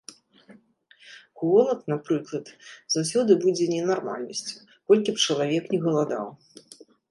Голад, напрыклад, заўсёды будзе ненармальнасцю, колькі б чалавек ні галадаў.